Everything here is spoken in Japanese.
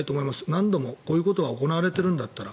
何度もこういうことが行われているんだったら。